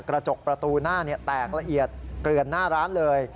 กระจกประตูหน้าแตกละเอียดเกลือนหน้าร้านเลย